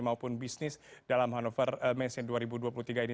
maupun bisnis dalam hannover messein dua ribu dua puluh tiga ini